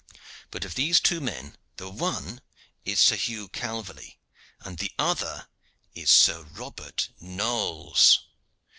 But of these two men the one is Sir Hugh Calverley, and the other is Sir Robert Knolles."